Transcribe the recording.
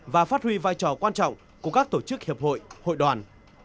và phát huy vai trò quan trọng của các tổ chức hiệp hội hội đoàn